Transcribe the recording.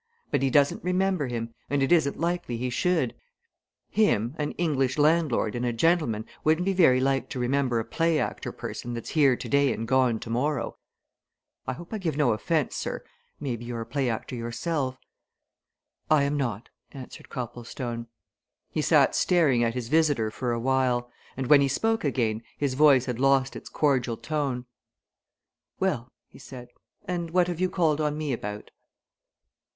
But he doesn't remember him, and it isn't likely he should him, an English landlord and a gentleman wouldn't be very like to remember a play actor person that's here today and gone tomorrow! I hope I give no offence, sir maybe you're a play actor yourself." "I am not," answered Copplestone. He sat staring at his visitor for awhile, and when he spoke again his voice had lost its cordial tone. "Well," he said, "and what have you called on me about?"